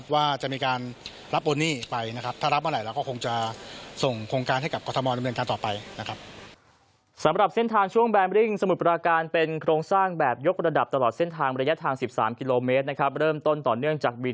ว่าจะมีการรับโอนหนี้ไปนะครับถ้ารับเมื่อไหร่เราก็คงจะ